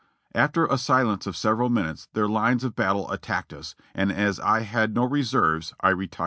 After a silence of several minutes their lines of battle attacked us, and as I had no reserves, 1 retired."